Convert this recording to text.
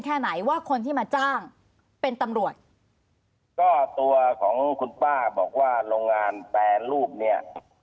แค่ไหนว่าคนที่มาจ้างเป็นตำรวจก็ตัวของคุณป้าบอกว่าโรงงานแปรรูปเนี้ย